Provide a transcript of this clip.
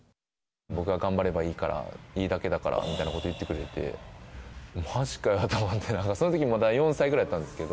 僕が頑張ればいいから、いいだけだからみたいなことを言ってくれて、まじかよと思って、そのとき、まだ４歳ぐらいやったんですけど。